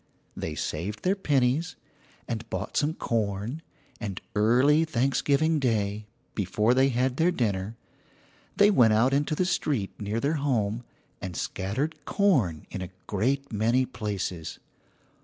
They saved their pennies, and bought some corn, and early Thanksgiving Day, before they had their dinner, they went out into the street near their home, and scattered corn in a great many places.